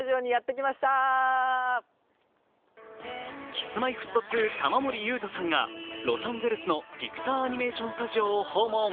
Ｋｉｓ−Ｍｙ−Ｆｔ２玉森裕太さんがロサンゼルスのピクサー・アニメーション・スタジオを訪問。